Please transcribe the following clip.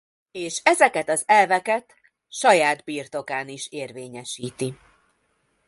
És ezeket az elveket saját birtokán is érvényesíti.